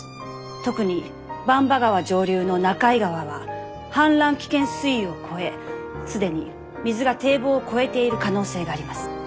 特に番場川上流の中居川は氾濫危険水位を超え既に水が堤防を越えている可能性があります。